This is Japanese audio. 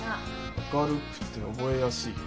「明るくって覚えやすい」か。